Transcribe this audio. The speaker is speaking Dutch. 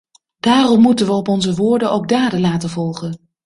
Daarom moeten we op onze woorden ook daden laten volgen.